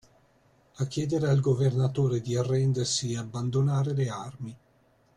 A chiedere al governatore di arrendersi e abbandonare le armi.